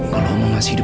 kalau oma masih hidup